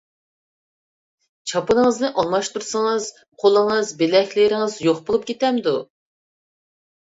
چاپىنىڭىزنى ئالماشتۇرسىڭىز، قولىڭىز، بىلەكلىرىڭىز يوق بولۇپ كېتەمدۇ؟